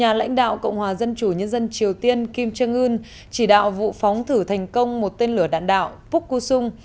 là lãnh đạo cộng hòa dân chủ nhân dân triều tiên kim chang un chỉ đạo vụ phóng thử thành công một tên lửa đạn đạo pukkusung